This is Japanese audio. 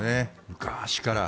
昔から。